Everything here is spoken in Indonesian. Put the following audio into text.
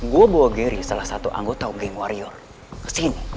gue bawa gary salah satu anggota geng warior ke sini